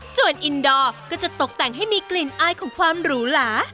ส่วนอินดอร์ก็จะตกแต่งให้มีกลิ่นอายของความหรูหลา